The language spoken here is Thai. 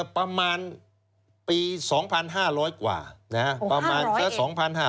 ประมาณปี๒๕๐๐กว่าประมาณก็๒๕๐๖๕๐๗๕๐๘๕๐๙